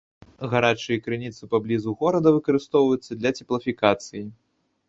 Гарачыя крыніцы паблізу горада выкарыстоўваюцца для цеплафікацыі.